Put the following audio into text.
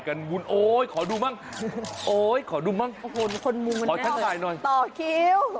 กันโอ้ยขอดูมั้งโอ้ยขอดูมั้งคนมุมขอถ่ายหน่อยต่อคิว